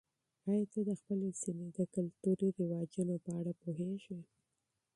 آیا ته د خپلې سیمې د کلتوري مراسمو په اړه پوهېږې؟